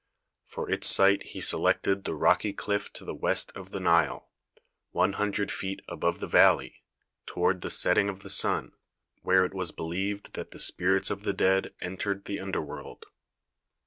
For its site he selected the rocky cliff to the west of the Nile, one hundred feet above the valley, toward the setting of the sun, where it was be lieved that the spirits of the dead entered the underworld.